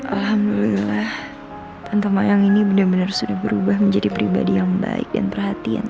alhamdulillah anto mayang ini benar benar sudah berubah menjadi pribadi yang baik dan perhatian